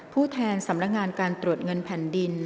ผู้แทนสำนักงานการตรวจเงินแผ่นดิน